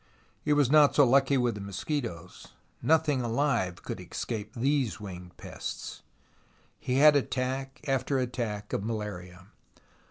He was not so lucky with the mosquitoes. Nothing alive could escape these winged pests. He had attack after attack of malaria.